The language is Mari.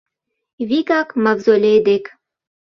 — Вигак Мавзолей дек.